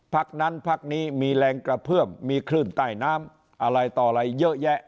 พักนั้นพักนี้มีแรงกระเพื่อมมีคลื่นใต้น้ำอะไรต่ออะไรเยอะแยะ